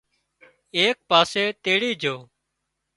ايڪ پاسي تيڙِي جھو